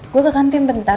gue ke kantin bentar